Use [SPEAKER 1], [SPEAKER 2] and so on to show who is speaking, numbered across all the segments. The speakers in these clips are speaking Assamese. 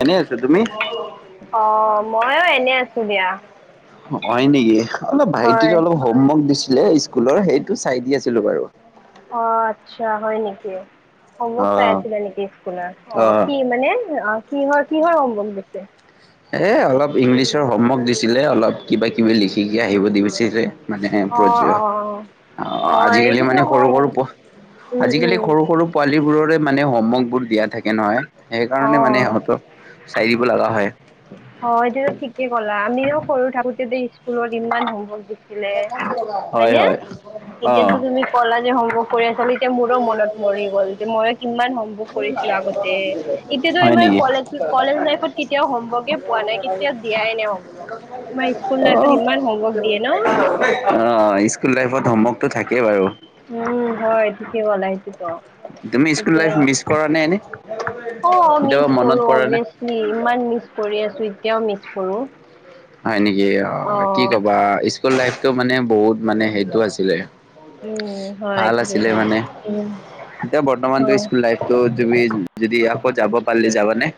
[SPEAKER 1] এনেই আছো তুমি
[SPEAKER 2] অ', ময়ো এনে আছো দিয়া
[SPEAKER 1] হয় নেকি, অলপ
[SPEAKER 2] হয়।
[SPEAKER 1] ভাইটিতো অলপ হোমৱৰ্ক দিছো স্কুলৰ, সেইটো চাই দি আছিলো বাৰু
[SPEAKER 2] অ', আচ্ছা হয় নেকি অ',
[SPEAKER 1] অ
[SPEAKER 2] হোমৱৰ্ক চাই আছিলে নেকি স্কুলৰ, অ' কি মানে কিহৰ কিহৰ হোমৱৰ্ক দিছে?
[SPEAKER 1] এ অলপ ইংলিছৰ হোমৱৰ্ক দিছিলে, অলপ কিবা কিবি লিখিকে আহিব দিছিলে মানে
[SPEAKER 2] অ অ অ হয়
[SPEAKER 1] আজিকালি
[SPEAKER 2] এইটোতো
[SPEAKER 1] মানে সৰু
[SPEAKER 2] হয়
[SPEAKER 1] সৰু
[SPEAKER 2] উম
[SPEAKER 1] আজিকালি
[SPEAKER 2] উম
[SPEAKER 1] সৰু সৰু পোৱালি বোৰৰে মানে হোমৱৰ্ক বোৰ দিয়া থাকে নহয়, সেই কাৰণে মানে
[SPEAKER 2] অ।
[SPEAKER 1] সিহঁতক চাই দিব লগা হয়।
[SPEAKER 2] অ' এইটো ঠিকে কলা, আমিও সৰু থাকোতেটো স্কুলত ইমান হোমৱৰ্ক দি
[SPEAKER 1] হয়
[SPEAKER 2] হয়নে,
[SPEAKER 1] হয় অ
[SPEAKER 2] এতিয়াতো তুমি কলা যে হোমৱৰ্ক কৰি আছা বুলি এয়া মোৰো মনত মৰি গ'ল, যে মই কিমান হোমৱৰ্ক কৰিছিলো আগতে। এতিয়াতো
[SPEAKER 1] হয়
[SPEAKER 2] ইমাৰ
[SPEAKER 1] নেকি
[SPEAKER 2] কলেজ কলেজ লাইফত কেতিয়াও হোমৱৰ্কে পোৱা নাই কেতিয়াও দিয়াই নাই
[SPEAKER 1] অ'
[SPEAKER 2] হোমৱৰ্ক স্কুল লাইফত ইমান হোমৱৰ্ক দিয়ে ন?
[SPEAKER 1] [unintelligible] স্কুল লাইফত হোমৱৰ্কতটো থাকেই বাৰু।
[SPEAKER 2] উম হয় ঠিকেই কলা এইটো।
[SPEAKER 1] তুমি স্কুল লাইফ মিচ কৰা নাই এনে?
[SPEAKER 2] অ' মিছ
[SPEAKER 1] কেতিয়াবা মনত
[SPEAKER 2] কৰো
[SPEAKER 1] পৰা নে?
[SPEAKER 2] অব্বিয়াছলী, ইমান মিচ কৰি আছো, এতিয়াও মিছ কৰো।
[SPEAKER 1] হয় নেকি, অ' কি কবা, স্কুল লাইটো মানে বহুত মানে হেইতটো আছিলে
[SPEAKER 2] উম হয়
[SPEAKER 1] ভাল
[SPEAKER 2] ঠিকেই
[SPEAKER 1] আছিলে
[SPEAKER 2] কৈছা
[SPEAKER 1] মানে।
[SPEAKER 2] উম
[SPEAKER 1] এতিয়া বৰ্তমানটো
[SPEAKER 2] হয়
[SPEAKER 1] স্কুল লাইফটো যদি আকৌ যাব পাৰিলে, যাবা নে?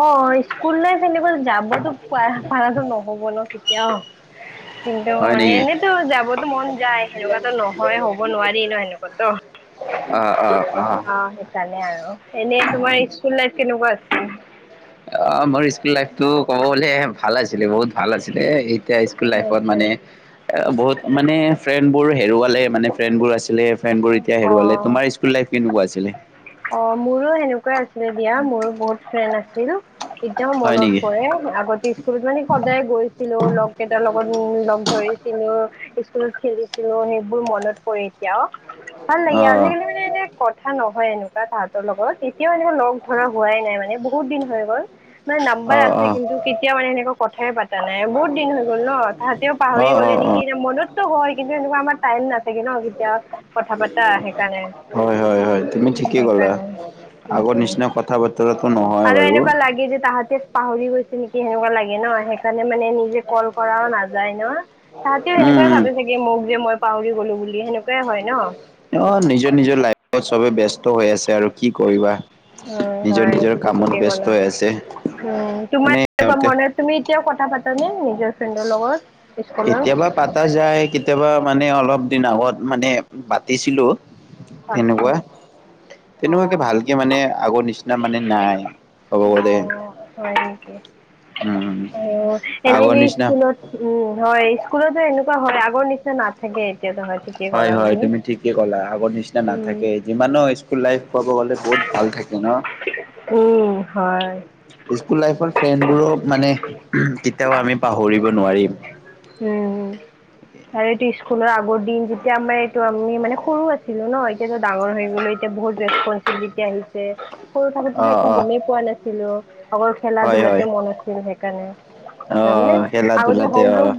[SPEAKER 2] অ স্কুল লাইফটো [unintelligible] [unintelligible] যাবতো পাৰাতো নহ'ব ন কেতিয়াও কিন্তু
[SPEAKER 1] হয়
[SPEAKER 2] মানে
[SPEAKER 1] নেকি?
[SPEAKER 2] এনেইতো যাবতো মন যায়, সেনেকুৱাতো নহয়, হব নোৱাৰি ন সেনেকুৱাতো। অ' সেইকাৰণে আৰু, এনে তোমাৰ স্কুল লাই কেনেকুৱা আছে
[SPEAKER 1] অ', মোৰ স্কুল লাইফটো ক'বলে ভাল আছে [unintelligible] বহুত ভাল আছিলে, এতিয়া স্কুল লাইফটো
[SPEAKER 2] আচ্ছা
[SPEAKER 1] মানে অ' মানে ফ্ৰেণ্ড বোৰ হেৰুৱালে মানে, ফ্ৰেণ্ডবোৰ আছিলে, ফ্ৰেডবোৰ এতিয়া হেৰুৱালে,
[SPEAKER 2] অ
[SPEAKER 1] তোমাৰ স্কুল লাইফ কেনেকুৱা আছিলে?
[SPEAKER 2] অ' মোৰো সেনেকুৱাই আছিলে দিয়া, মোৰো বহুত ফ্ৰেণ্ড আছিল এতিয়া
[SPEAKER 1] হয় নেকি?
[SPEAKER 2] মনত পৰে, আগতে স্কুলত মানে সদায় গৈছিলো লগ কেইটাৰ লগত, উম ধৰিছিলো, স্কুলত খেলিছিলো, সেইবোৰ মনত পৰি এতিয়াও। ভাল
[SPEAKER 1] অ
[SPEAKER 2] লাগে আজিকালি মানে এনে কথা নহয় এনো তাহাঁতৰ লগত এতিয়াও এনেকা লগ ধৰা হোৱাই নাই মানে বহুত দিন হৈ গ'ল মানে নাম্বাৰ
[SPEAKER 1] অ
[SPEAKER 2] আছে কিন্তু কেতিয়া মানে সেনেকুৱা কথাইে পাো ানাই বহুতিন হৈ গল ন তাহাঁতেও
[SPEAKER 1] অ
[SPEAKER 2] পাহৰি
[SPEAKER 1] অ অ
[SPEAKER 2] গ'লে
[SPEAKER 1] অ।
[SPEAKER 2] নেকি মনতো গৰ কিন্তু এনেকুৱা আমাৰ টাইম না থাকে ন কেতিয়া কথা পাতা সেইকাৰণে
[SPEAKER 1] কি গা
[SPEAKER 2] সেইকাৰণে
[SPEAKER 1] আগৰ
[SPEAKER 2] উম
[SPEAKER 1] নিশয় কথা বাা
[SPEAKER 2] আৰু এনেকুৱা লাগে যে তাহাঁতি পাহৰি গৈছে নেকি সেনেকুৱা লাগে ন সেইকাৰণে নিজে কল কৰাও নাযায় ন তাহতেও
[SPEAKER 1] উম।
[SPEAKER 2] সেনেকুৱাই ভে চাগে মোক যে মই পাউৰি গ'লো বুলি সেনেকুৱাই হয় ন
[SPEAKER 1] অ নিজৰ নিজৰ লাইফত চবে বস্ত হৈ আছে আৰু কি কৰিবা
[SPEAKER 2] উম
[SPEAKER 1] নিজৰ নিজৰ কামত ব্যস্ত হৈ আছে
[SPEAKER 2] উ তোমাৰ
[SPEAKER 1] মানে
[SPEAKER 2] একুৱা
[SPEAKER 1] সিহঁতে
[SPEAKER 2] মনে তুমি এতিয়াও কথা পাতানে নিজৰ ফ্ৰেণ্ডৰ লগত
[SPEAKER 1] কেতিয়াবা
[SPEAKER 2] স্কুলত
[SPEAKER 1] পাতা যায় কেতিয়াবা মানে অলপ দিন আগত মানে পাতিছিলোঁ
[SPEAKER 2] আচ্ছা
[SPEAKER 1] তেনেকুৱা তেনেকুৱাকে
[SPEAKER 2] অঁ
[SPEAKER 1] ভালকে মানে আগৰ নিচ ন মানে নাই হ'ব ক দে
[SPEAKER 2] অ এনে যে স্কুলত উম হয় স্কুলত তেনেকুৱা হয় আগৰ নিচিনা নাথাকে এতিয়াতো ঠিকেই
[SPEAKER 1] হয়
[SPEAKER 2] ক'লা
[SPEAKER 1] হয় তুমি ঠিকে ক'লা আগৰ নিচিনা
[SPEAKER 2] উম
[SPEAKER 1] নাথাকে যিমানো স্কুল লাইফ কাব গলে বহুত ভাল থাকে ন
[SPEAKER 2] উম, হয়।
[SPEAKER 1] স্কুল লাইফৰ ফেনবোৰো মানে কেতিয়াও আমি পাহৰিব নোৱাৰিম
[SPEAKER 2] উম আৰু এইটো স্কুলৰ আগৰ দিন যেতিয়া আমাৰ এইটো আমি মানে সৰু আছিলো ন এতিয়াটো ডাঙৰ হৈ গ'লো এতিয়া বহুত ৰেচপনচিবিলিটি আহিছে সৰু কাপোতো
[SPEAKER 1] অ',
[SPEAKER 2] একো
[SPEAKER 1] অ',
[SPEAKER 2] গমেই পোৱা নাছিলো অকলৰ খেলা
[SPEAKER 1] হয়,
[SPEAKER 2] ধূলাতে
[SPEAKER 1] হয়।
[SPEAKER 2] মন আছিল সেইকাৰণে হয় ন
[SPEAKER 1] অ', খেলা
[SPEAKER 2] আগতে
[SPEAKER 1] ধূলাতে
[SPEAKER 2] হোমৱৰ্ক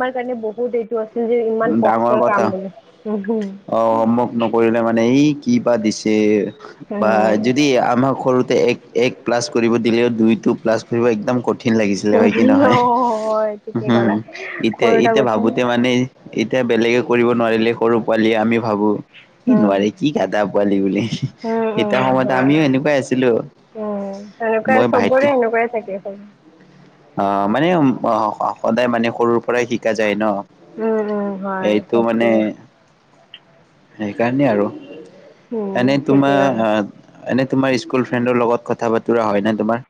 [SPEAKER 2] তমাৰ কাৰণে বহুতটো আছে
[SPEAKER 1] উ ডাঙৰ কথা
[SPEAKER 2] উহু,
[SPEAKER 1] অ হোমৱৰ্ক নকৰিলে মানে এই কি বা দিছে বা
[SPEAKER 2] উম,
[SPEAKER 1] যদি আমাক সৰুতে এক প্লাছ কৰিব দিলেও দুই টো প্লাছ কৰিব একদম কঠিন কঠিন লাগিছিলে হয় কি
[SPEAKER 2] উম, অ',
[SPEAKER 1] নহয়
[SPEAKER 2] হয় ঠিকেই
[SPEAKER 1] হম
[SPEAKER 2] ক'লা
[SPEAKER 1] এতিয়া
[SPEAKER 2] সৰু
[SPEAKER 1] ইতিয়া
[SPEAKER 2] থাকোতে
[SPEAKER 1] ভাবোতে মানে এতিয়া বেলেগে কৰিব নোৱাৰিলে সৰু পোৱালীয়ে আমি ভাবো কি
[SPEAKER 2] উম,
[SPEAKER 1] নোৱাৰে কি কাদা পোৱালি বুলি
[SPEAKER 2] উম,
[SPEAKER 1] এটা
[SPEAKER 2] উম,
[SPEAKER 1] সময়ত
[SPEAKER 2] হয়
[SPEAKER 1] আমিও এেনেকুৱাই আছিলো
[SPEAKER 2] উম তেনেকুৱাই চবৰে সনেকুৱাই থাকে সব
[SPEAKER 1] অ মানে সদায় মানে সৰুৰ পৰাই শিকা যায় ন
[SPEAKER 2] উম, উম, হয়
[SPEAKER 1] এইটো
[SPEAKER 2] সেইটোৱে।
[SPEAKER 1] মানে সেইকাৰণেই আৰু
[SPEAKER 2] উম,
[SPEAKER 1] এনে তোমাৰ
[SPEAKER 2] ঠিকেই হয়।
[SPEAKER 1] এনে তোমাৰ স্কুল ফ্ৰেণ্ডৰ লগত কথা বাতৰা হয় ন তোমাৰ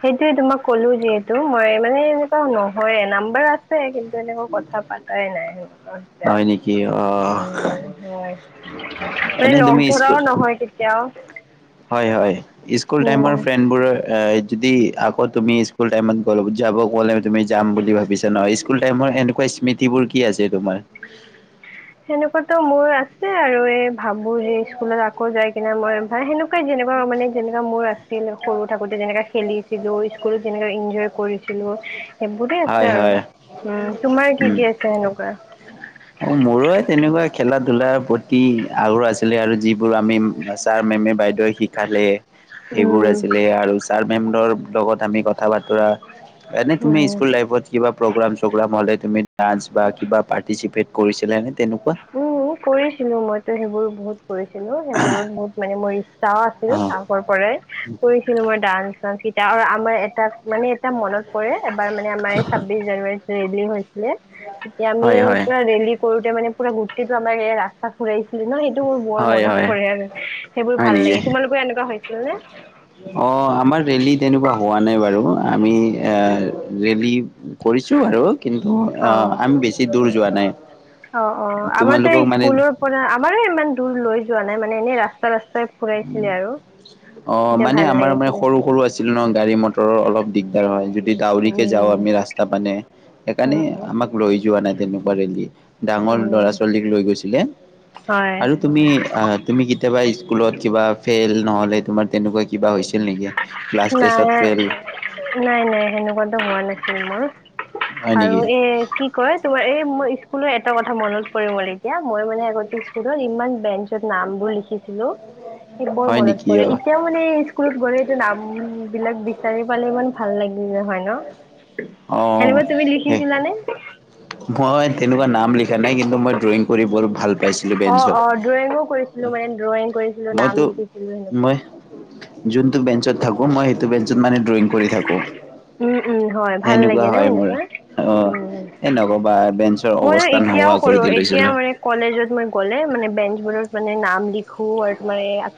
[SPEAKER 2] সেইটোয়ে তোমাক ক'লো যিহেতু মই মানে এনেকুৱা নহয় নাম্বাৰ আছে কিন্তু এনেক কথা পাতাই নাই সেনেকুৱা হৈছে
[SPEAKER 1] হয়
[SPEAKER 2] আৰু
[SPEAKER 1] নেকি অ
[SPEAKER 2] উ হয় মে
[SPEAKER 1] এনে
[SPEAKER 2] লগ
[SPEAKER 1] তুমি স্কুল
[SPEAKER 2] ধৰাও নহয় কেতিয়াও
[SPEAKER 1] হয় হয় স্কুল টাইমৰ
[SPEAKER 2] উম।
[SPEAKER 1] ফ্ৰেণ্ডবোৰৰ এ যদি আকৌ তুমি স্কুল টাইমত গ যাব গ'লে তুমি যাম বুলি ভাবিছা ন স্কুল টাইমত এনেকুৱা স্মৃতিবোৰ কি আছে তোমাৰ
[SPEAKER 2] সেনেকুৱাতো মোৰ আছে আৰু এই ভাবো যে স্কুলত আকৌ যাই কিনে মই সেনেকুৱা যেনেকুৱা মানে যেনেককা মোৰ আছিল সৰু থাকোতে যেনেকা খেলিছিলো স্কুলত যেনেক এনজয় কৰিছিলো সেইবোৰেই
[SPEAKER 1] হয়
[SPEAKER 2] আছে আৰু
[SPEAKER 1] হয়
[SPEAKER 2] উ তোমাৰ কি
[SPEAKER 1] উম
[SPEAKER 2] কি আছে সেনেকুৱা
[SPEAKER 1] অ মোৰ তেনেকুৱা খেলা ধূলাৰ প্ৰতি আগ্ৰহ আছিলে আৰু যিবোৰ আমি ছাৰ মেমে বাইদেউ শিকালে সেইবোৰ
[SPEAKER 2] উম,
[SPEAKER 1] আছিলে আৰু ছাৰ মেম্বাৰৰ লগত আমি কথা বতৰা এনে তুমি
[SPEAKER 2] উম।
[SPEAKER 1] স্কুল লাইফত কিবা প্ৰগ্ৰাম চগ্ৰাম হ'লে তুমি ডান্স বা কিবা পাৰ্টিচিপেট কৰিছিলােনে
[SPEAKER 2] উম কৰিছিলো মইতো সেইবোৰ বহুত কৰিছিলো সেইবোৰত বহুত মানে মই চাওঁ আছিল
[SPEAKER 1] অ',
[SPEAKER 2] আগৰ পৰাই কৰিছিলো মই ডান্স আৰু আমাৰ এটা মানে এটা মনত পৰে এবাৰ মানে আমাৰ এই ছাব্বিছ জানুৱাৰীত ৰিলি হৈছে তেতিয়া আমি
[SPEAKER 1] হয়, হয়,
[SPEAKER 2] পুৰা ৰেলী কৰোতে মানে পুৰা গোটটো আমাৰ ৰাস্তা ফুৰাইছিল ন সেইটো মোৰ বৰ
[SPEAKER 1] হয়,
[SPEAKER 2] মনত
[SPEAKER 1] হয়,
[SPEAKER 2] পৰে আৰু সেইবোৰ
[SPEAKER 1] হয়
[SPEAKER 2] ভাল
[SPEAKER 1] নেকি
[SPEAKER 2] লাগে তোমালোকে এনেকুৱা হৈছিল নে
[SPEAKER 1] অ আমাৰ ৰেলী তেনেকুৱা হোৱা নাই বাৰু আমি এ ৰেলী কৰি
[SPEAKER 2] অ
[SPEAKER 1] বছি দ
[SPEAKER 2] অ অ আমাৰতে স্কুলৰ পৰা আমাৰো ইমান দূৰ লৈ যোৱা নাই মানে এনেই ৰাস্তা ৰা্তাই ফুৰাইছিলে আৰু
[SPEAKER 1] অ মানে
[SPEAKER 2] ভাল
[SPEAKER 1] আমাৰ মানে
[SPEAKER 2] লাগিছিলে
[SPEAKER 1] সৰু সৰু আছিল ন গাড়ী মটৰৰ অলপ দিগদাৰ হয় যদি ডাউৰিকে যাওঁ
[SPEAKER 2] উম
[SPEAKER 1] আমি ৰাস্তা পানে সেইকাৰণে
[SPEAKER 2] উম, উম,
[SPEAKER 1] আমাক ৰৈ যোৱা নাই তেনেকুৱা ৰেলি ডাঙৰ ল'ৰা
[SPEAKER 2] উম,
[SPEAKER 1] ছোৱালীক লৈ গৈছিলে
[SPEAKER 2] হয়।
[SPEAKER 1] আৰু তুমি আহ তুমি কেতিয়াবা স্কুলত কিবা ফেইল নহ'লে তোমাৰ তেনেকুৱা কিবা হৈছিল নেকি ক্লাছ েষ্টত ফেইল
[SPEAKER 2] ম
[SPEAKER 1] হয়
[SPEAKER 2] আৰু
[SPEAKER 1] নেকি
[SPEAKER 2] এ কি কয় তোমাৰ এই মোৰ স্কুলৰ এটা কথা মনত পৰিব লাগিব এতিয়া মই মানে আগতে স্কুলত ইমান বেঞ্চ ন বোৰ লিখিছিলো সেই বৰ
[SPEAKER 1] হয়
[SPEAKER 2] মনত প
[SPEAKER 1] নেকি অ
[SPEAKER 2] এতিয়া মান স্কুলত গ'লে এইটো নাম বিলাক বিচাৰি পালে ইমান ভাল লাগিল হয় ন
[SPEAKER 1] অ
[SPEAKER 2] সেনেকুৱা তুমি
[SPEAKER 1] সেই
[SPEAKER 2] লিখিছিলানে?
[SPEAKER 1] মই তেনেকুৱা নাম লিখা নাই কিন্তু মই ড্ৰয়িং কৰি ভাল পাইছিলোঁ
[SPEAKER 2] অ',
[SPEAKER 1] বেঞ্চত
[SPEAKER 2] অ', ড্ৰয়িঙো কৰিছিলোঁ মানে ড্ৰয়িং কৰিছিলোঁ নাম
[SPEAKER 1] মইতো
[SPEAKER 2] লিখিছিলোঁ সেনেকুৱা।
[SPEAKER 1] মই যোনটো বেঞ্চত থাকো মই সেইটো বেঞ্চত মানে ড্ৰয়িং কৰি থাকো
[SPEAKER 2] উম, উম, হয় ভাল
[SPEAKER 1] সেনেকুৱা
[SPEAKER 2] লাগে ন
[SPEAKER 1] হয় মোৰ
[SPEAKER 2] মনেুৱা
[SPEAKER 1] অ'।
[SPEAKER 2] উম
[SPEAKER 1] এ নক'বা বেঞ্চৰ
[SPEAKER 2] মই ন
[SPEAKER 1] অৱস্থা নোহোৱা
[SPEAKER 2] এতিয়াও
[SPEAKER 1] কৰি
[SPEAKER 2] কৰৰুো এতিয়া
[SPEAKER 1] দিলৈছিলো।
[SPEAKER 2] মানে কলেজত মই গ'লে মানে মানে নাম লিখো আৰু তম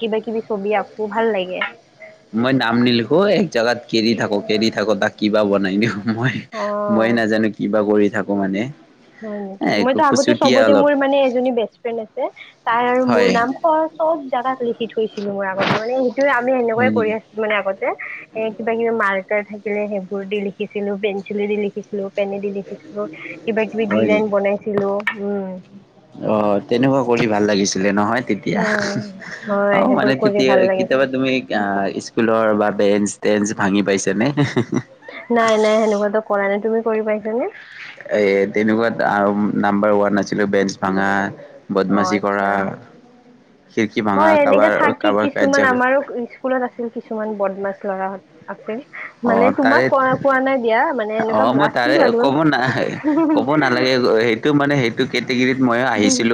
[SPEAKER 2] কিবা কিবি ছবি আঁকো ভাল লাগে
[SPEAKER 1] মই নাম নিলিখো এক জোগগাত কেৰি থাকো কেৰি থাকো তাক কিবা বনাই দিওঁ মই
[SPEAKER 2] অ
[SPEAKER 1] মই নাজানো কিবা কৰি থাকো মানে
[SPEAKER 2] হয় নেকি মই
[SPEAKER 1] একো
[SPEAKER 2] আগতে
[SPEAKER 1] খুচুটীয়া
[SPEAKER 2] চবতে
[SPEAKER 1] অলপ
[SPEAKER 2] মোৰ মানে এ বেষ্ট ফ্ৰেড আছে তাই আৰু মোৰ
[SPEAKER 1] হয়।
[SPEAKER 2] নাম চবত জাগা খি থৈছিলো মোৰ আগতে মানে সেইটোয়ে আমি
[SPEAKER 1] হয়
[SPEAKER 2] সেনেকুৱয়ে কৰি
[SPEAKER 1] নেকি
[SPEAKER 2] আছিলো মানে আগতে এ কিবা কিবি মাৰ্ থাকিলে সেইবোৰ দি লিখিছিলো পেঞ্চিলে দি লিখিছিলো পেনে দি লিখিছিলো কিবা কিবি
[SPEAKER 1] হয়
[SPEAKER 2] ডিজাইন
[SPEAKER 1] নেকি
[SPEAKER 2] বনাইছিলো উম
[SPEAKER 1] অ তেনেকুৱা কৰি ভাল লাগিছিলে নহয় তেতিয়া
[SPEAKER 2] উম
[SPEAKER 1] অ
[SPEAKER 2] হয় সেইবোৰ
[SPEAKER 1] মানে
[SPEAKER 2] কৰি
[SPEAKER 1] তেতিয়া
[SPEAKER 2] ভাল
[SPEAKER 1] কেতিয়াবা
[SPEAKER 2] লাগিছিল
[SPEAKER 1] তুমি স্কুলৰ বা বেঞ্চ েঞ্চ ভাঙি পাইছেনে
[SPEAKER 2] নাই নাই সেনেকুৱাতো কৰা নাই তুমি কৰি পাইছ নে
[SPEAKER 1] এ তেনেকুৱাত নাম্বাৰ ওৱান আছিলো বেঞ্চ ভাঙা
[SPEAKER 2] অ
[SPEAKER 1] বদমাচি
[SPEAKER 2] আচ্ছা
[SPEAKER 1] কৰা খিৰিকী ভাঙা
[SPEAKER 2] হয় এনেকাে
[SPEAKER 1] কাৰোবাৰ
[SPEAKER 2] থাকি
[SPEAKER 1] কাৰোবাৰ
[SPEAKER 2] কিছুমান
[SPEAKER 1] কাৰ্য
[SPEAKER 2] আমাৰো স্কুলত আছিল কিছুমান বদ মাছ লৰাত আছে
[SPEAKER 1] অ
[SPEAKER 2] মানে
[SPEAKER 1] তাৰে
[SPEAKER 2] তোমাক ক কোৱা নাই দিয়া মানে
[SPEAKER 1] অ
[SPEAKER 2] এনেকুৱা
[SPEAKER 1] মই তাৰে
[SPEAKER 2] আছিল
[SPEAKER 1] ক'ব না
[SPEAKER 2] আৰু
[SPEAKER 1] ক'ব নালাগে সেইটো মানে সেইটো কেটট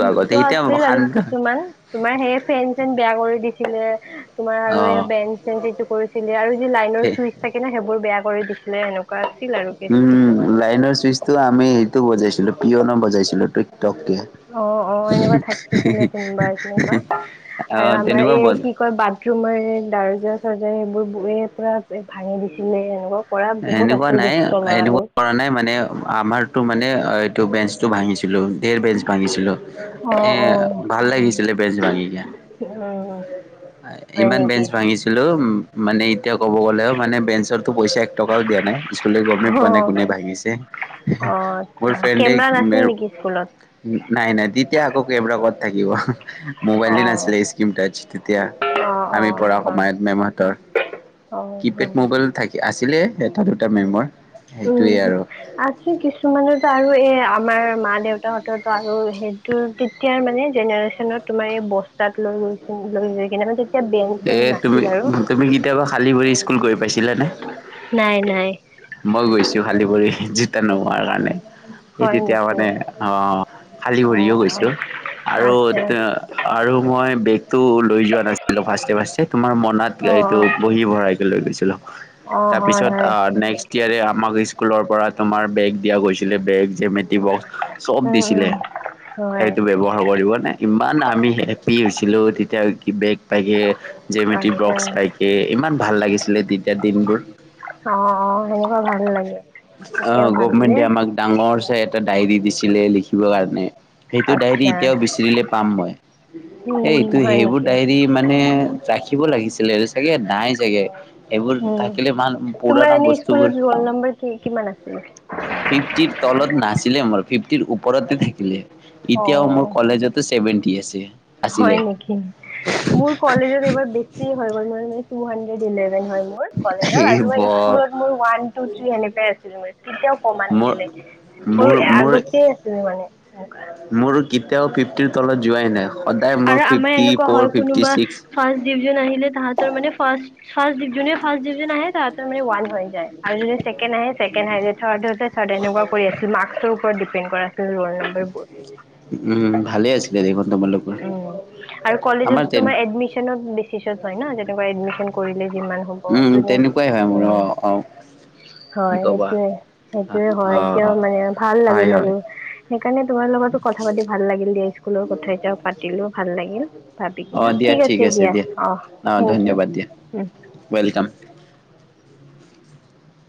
[SPEAKER 2] দুষ্ট আছিল আৰু কিছুমান তোমাৰ সেইে ফেন চেন বেয়া কৰি দিছিল তুমাৰ
[SPEAKER 1] অ
[SPEAKER 2] আৰু বে চে এইটো কৰিছিলে আৰু যি লাইনৰ চুইচ থাকে ন সেইবোৰ বেয়া কৰি দিছিলে। এনেকুৱা,
[SPEAKER 1] উম, লাইনৰ চুইচটো আমি সেইটো বজাইছিলো পঅন বজাইছিলো। টককে
[SPEAKER 2] অ অ এনেকুৱা থাকিছিলে। কোনবা এনেকুৱা
[SPEAKER 1] অ
[SPEAKER 2] আৰু আমাৰ
[SPEAKER 1] তেনেকুৱা
[SPEAKER 2] এই
[SPEAKER 1] বল
[SPEAKER 2] কি কয় বাথৰুমৰ দাৰজা চৰ্জা এইবোৰ এই পুৰা, ভাঙি দিছিলে এনেকুৱা। কৰা বহুত
[SPEAKER 1] এনেকুৱা
[SPEAKER 2] আছিল
[SPEAKER 1] নাই।
[SPEAKER 2] দুষ্ট
[SPEAKER 1] এনেকুৱা
[SPEAKER 2] ল'ৰাবোৰ।
[SPEAKER 1] কৰা নাই মানে আমাৰতো মানে এইটো বেঞ্চটো ভাঙিছে। বেৰ বেজ ভাঙিছিলো।
[SPEAKER 2] অ', অ'।
[SPEAKER 1] ভাল লাগিছিলে বেজ ভাঙি।
[SPEAKER 2] উম, হয়
[SPEAKER 1] ইমান
[SPEAKER 2] নেকি?
[SPEAKER 1] বেঞ্চ ভাঙিছিলো। মানে এতিয়া ক'ব গ'লে মানে বেঞ্চৰটো পইচা এক টকাও দিয়া নাই। স্কুলে গমেই পোৱা নাই
[SPEAKER 2] অ',
[SPEAKER 1] কোনে ভাঙিছে,
[SPEAKER 2] অ',
[SPEAKER 1] মোৰ
[SPEAKER 2] আচ্ছা
[SPEAKER 1] ফ্ৰেণ্ডেই
[SPEAKER 2] কেমেৰা নাছিল নেকি স্কুলত?
[SPEAKER 1] নাই নাই তেতিয়া আকৌ কেমৰা কত থাকিব। মোবাইলেই
[SPEAKER 2] অ',
[SPEAKER 1] নাছিলে স্ক্ৰীম টাচ তেতিয়া
[SPEAKER 2] অ',
[SPEAKER 1] আমি
[SPEAKER 2] অ',
[SPEAKER 1] পঢ়া
[SPEAKER 2] হয়
[SPEAKER 1] সময়ত মেমহঁতৰ।
[SPEAKER 2] অ',
[SPEAKER 1] কিপেড
[SPEAKER 2] হয়।
[SPEAKER 1] মোবাইল থাক আছিলে এটা দুটা মেমৰ। সেইটোৱে
[SPEAKER 2] উম
[SPEAKER 1] আৰু
[SPEAKER 2] আছে কিছুমানেতো আৰু এই আ আমাৰ মা-দেউতাহঁতৰটো আৰু সেইটো তেতিয়াৰ মানে জেনেৰেচনত তোমাৰ এই বস্তাত লৈ লৈ লৈ যায় কিনে মানে এতিয়া
[SPEAKER 1] এ
[SPEAKER 2] বেংক-চেংক
[SPEAKER 1] তুমি
[SPEAKER 2] নাছিল আৰু,
[SPEAKER 1] তুমি কেতিয়াবা খালী ভৰি স্কুল গৈ পাইছিলানে?
[SPEAKER 2] নাই নাই।
[SPEAKER 1] মই গৈছো খালী ভৰি জোতা নোহোৱাৰ কাৰণে সেই
[SPEAKER 2] হয়
[SPEAKER 1] তেতিয়া
[SPEAKER 2] নেকি
[SPEAKER 1] মানে অহ, খালী ভৰিয়েও
[SPEAKER 2] অ'
[SPEAKER 1] গৈছো। আৰু
[SPEAKER 2] আচ্ছা
[SPEAKER 1] আৰু মই বেগতটো লৈ যোৱা নাছিলো ফাষ্টে ফাষ্টে তোমাৰ মনাত এইটো
[SPEAKER 2] অ'
[SPEAKER 1] বহি ভৰাই লৈ গৈছিলো,
[SPEAKER 2] অ' হয়
[SPEAKER 1] তাৰপিছত
[SPEAKER 2] হয়
[SPEAKER 1] নেক্সট ইয়াৰে আমাক স্কুলৰ পৰা তোমাৰ বেগ দিয়া গৈছিলে বেগ জ্যামিতি বক্স চব
[SPEAKER 2] উম
[SPEAKER 1] দিছিলে,
[SPEAKER 2] উম হয়
[SPEAKER 1] সেইটো ব্যৱহাৰ কৰিব নে ইমান আমি হেপী হৈছিলো তেতিয়া কি বেগ পাইগে জেমেটি
[SPEAKER 2] আচ্ছা
[SPEAKER 1] বক্স পাইগে ইমান ভাল লাগিছিলে তেতিয়া দিনবোৰ।
[SPEAKER 2] অ অ সেনেকুৱা ভাল লাগে।
[SPEAKER 1] অ
[SPEAKER 2] তেতিয়া ভাবিলে
[SPEAKER 1] গভমেণ্টে আমাক ডাঙৰ চাই এটা ডায়েৰী দিছিলে লিখিবৰ কাৰণে। সেইটো ডায়েৰী
[SPEAKER 2] আচ্ছা
[SPEAKER 1] এতিয়াও বিচাৰিলে পাম মই।
[SPEAKER 2] উম
[SPEAKER 1] এইটো
[SPEAKER 2] হয়
[SPEAKER 1] সেইবোৰ
[SPEAKER 2] নেকি
[SPEAKER 1] ডায়েৰী মানে ৰাখিব লাগিছি চাগে নাই চাগে। এইবোৰ
[SPEAKER 2] উম
[SPEAKER 1] থাকিলে ভাল
[SPEAKER 2] তোমাৰ
[SPEAKER 1] পুৰণা
[SPEAKER 2] এনেই
[SPEAKER 1] বস্তুবোৰ
[SPEAKER 2] স্কুলত ৰোল নম্বৰ কি কিমান আছিল
[SPEAKER 1] ফিফটিৰ তলত নাচ চিলে আমাৰ ফিফটিৰ ওপৰতে থাকিলে। এতিয়াও মোৰ
[SPEAKER 2] অ'
[SPEAKER 1] কলেজতে চেভেনটিও আছে। আছিলে।
[SPEAKER 2] হয় নিকি? মোৰ কলেজত এবাৰ বেছি হৈ গল মানে টুহানড্ৰেড দিলে। হয় মোৰ কলেজত
[SPEAKER 1] এই
[SPEAKER 2] আৰু
[SPEAKER 1] ব
[SPEAKER 2] স্কুলত মোৰ ওৱান, টু, থ্ৰি এনেকুৱাই আছিলে মোৰ, কেতিয়াও কমা
[SPEAKER 1] মোৰ
[SPEAKER 2] নাছিলে। মোৰ আগতে আছিলো মানে এনেকুৱা।
[SPEAKER 1] মোৰ কেতিয়াও ফিফ্টিৰ তলত যোৱাই নাই। সদায় মোৰ
[SPEAKER 2] আৰু আমাৰ
[SPEAKER 1] ফিফটি
[SPEAKER 2] এনেকুৱা
[SPEAKER 1] ফ'ৰ
[SPEAKER 2] হয়
[SPEAKER 1] ফিফটি
[SPEAKER 2] কোনোবা
[SPEAKER 1] ছিক্স
[SPEAKER 2] ফাৰ্ষ্ট ডিভিজন আহিলে তাহাতৰ মানে ফাষ্ট ফাৰ্ষ্ট ডিভিজনেই ফাৰ্ষ্ট ডিভিজন আহে তাহতে মানে ওৱান হৈ যায় আৰু যুনে ছেকেণ্ড আহে ছেকেণ্ড হৈ যায় থাৰ্ড এনেকুৱা কৰিছিল, মাৰ্কচৰ ওপৰত ডিপেণ্ড কৰা আছিল ৰোল নং।
[SPEAKER 1] উম, ভালে আছিলে দেখোন তোমালোক
[SPEAKER 2] উম, আৰু কলেজত তোমাৰ এডমিচনত দিচিছন হয় ন, যেনেকৈ এডমিছন কৰিলে। যিমান হ'ব
[SPEAKER 1] উম,
[SPEAKER 2] যোনে
[SPEAKER 1] তেনেকুৱাই হয়, মোৰ
[SPEAKER 2] উম
[SPEAKER 1] অ অ। কি
[SPEAKER 2] হয়
[SPEAKER 1] ক'বা।
[SPEAKER 2] সেইটোয়ে
[SPEAKER 1] অ',
[SPEAKER 2] সেইটোয়ে হয়, তেওঁ
[SPEAKER 1] অ',
[SPEAKER 2] মানে ভাল
[SPEAKER 1] হয়,
[SPEAKER 2] লাগিল আৰু
[SPEAKER 1] হয়,
[SPEAKER 2] সেইকাৰণে তোমাৰ লগতো কথা পাতি ভাল লাগিল দিয়া স্কুলৰ কথা এতিয়া পাতিলো ভাল লাগিল ভাবি কিনা ঠিক আছে দিয়া অ, থেংক ইউ।
[SPEAKER 1] ধন্যবাদ দিয়া,
[SPEAKER 2] উম
[SPEAKER 1] [unintelligible]